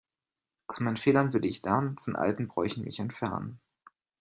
Aus meinen Fehlern will ich lernen, von alten Bräuchen mich entfernen.